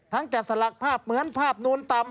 ทั้งแก่สลักภาพเหมือนภาพโนนตำ